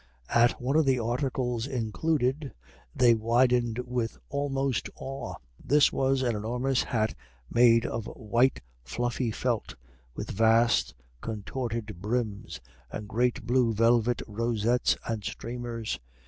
At one of the articles included they widened with almost awe. This was an enormous hat made of white fluffy felt, with vast contorted brims, and great blue velvet rosettes and streamers.